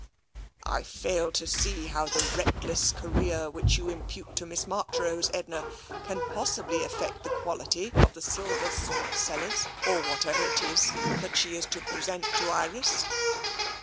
" I fail to see how the reckless career which you impute to Miss Marchrose, Edna, can possibly affect the quality of the silver salt cellars, or whatever it is, that she is to present to Iris.''